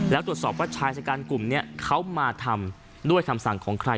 แล้วตรวจสอบว่าชายชะกันกลุ่มนี้เขามาทำด้วยคำสั่งของใคร